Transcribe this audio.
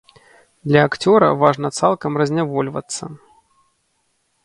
Для акцёра важна цалкам разнявольвацца.